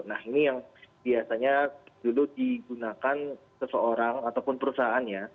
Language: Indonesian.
nah ini yang biasanya dulu digunakan seseorang ataupun perusahaannya